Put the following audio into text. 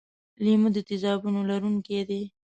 لیمو د تیزابونو لرونکی دی.